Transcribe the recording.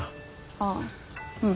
ああうん。